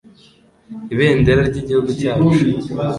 Ibendera ry' igihugu cyacu